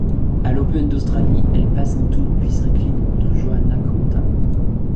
À l'Open d'Australie, elle passe un tour puis s'incline contre Johanna Konta.